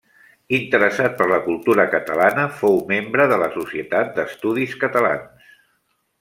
Interessat per la cultura catalana, fou membre de la Societat d'Estudis Catalans.